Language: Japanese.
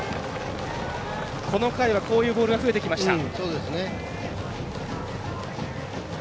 この回は、こういうボールが増えてきました。